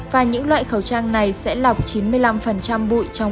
và những loại khẩu trang này sẽ lọc chín mươi năm bụi trong không khí